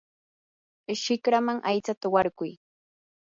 shikraman aytsata warkuy.